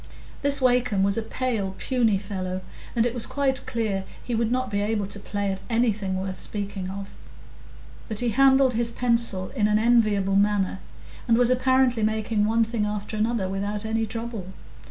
This Wakem was a pale, puny fellow, and it was quite clear he would not be able to play at anything worth speaking of; but he handled his pencil in an enviable manner, and was apparently making one thing after another without any trouble.